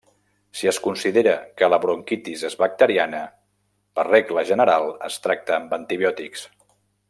Si es considera que la bronquitis és bacteriana, per regla general es tracta amb antibiòtics.